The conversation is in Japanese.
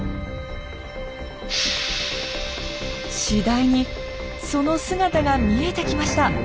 次第にその姿が見えてきました。